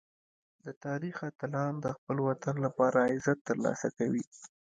د تاریخ اتلان د خپل وطن لپاره عزت ترلاسه کوي.